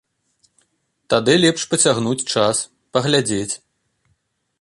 Тады лепш пацягнуць час, паглядзець.